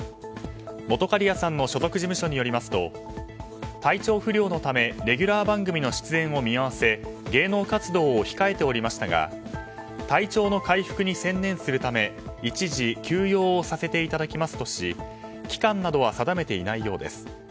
本仮屋さんの所属事務所によりますと体調不良のためレギュラー番組の出演を見合わせ芸能活動を控えておりましたが体調の回復に専念するため一時休養をさせていただきますとし期間などは定めていないようです。